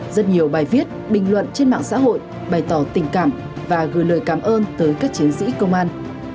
rất nhiều bài viết bình luận trên mạng xã hội bày tỏ tình cảm và gửi lời cảm ơn tới các chiến sĩ công an